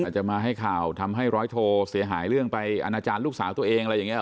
จะมาให้ข่าวทำให้ร้อยโทเสียหายเรื่องไปอนาจารย์ลูกสาวตัวเองอะไรอย่างนี้